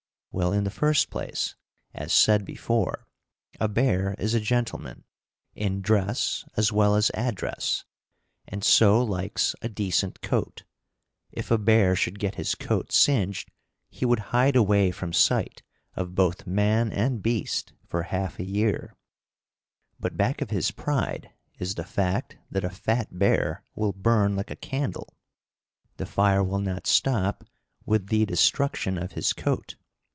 Well, in the first place, as said before, a bear is a gentleman, in dress as well as address, and so likes a decent coat. If a bear should get his coat singed he would hide away from sight of both man and beast for half a year. But back of his pride is the fact that a fat bear will burn like a candle; the fire will not stop with the destruction of his coat.